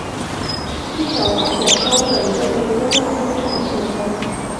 一小团火烧着了一个被封蜡封上的信封。